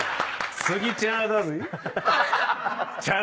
スギちゃらだぜ。